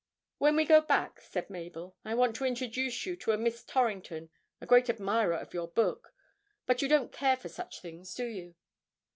'When we go back,' said Mabel, 'I want to introduce you to a Miss Torrington, a great admirer of your book. But you don't care for such things, do you?'